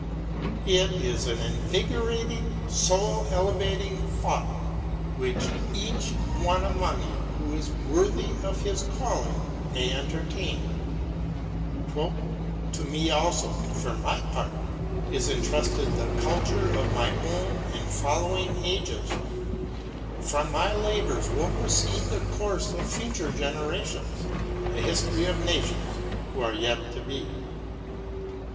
It is an invigorating, soul elevating thought which each one among you, who is worthy of his calling, may entertain, —' To me also, for my part, is entrusted the culture of my own and following ages; from my labours will proceed the course of future generations, — the history of nations who are yet to be.